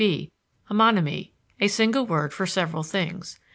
(b) Homonomy, a single word for several things.